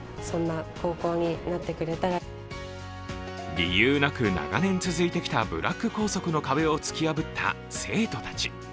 理由なく長年続いてきたブラック校則の壁を突き破った生徒たち。